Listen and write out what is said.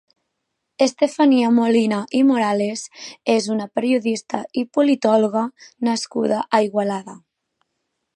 Estefania Molina i Morales és una periodista i politòloga nascuda a Igualada.